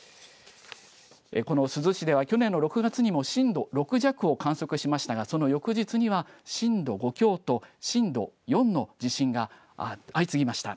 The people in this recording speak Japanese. この珠洲市では去年の６月にも震度６弱を観測しましたがその翌日には震度５強と震度４の地震が相次ぎました。